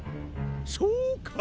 そうか！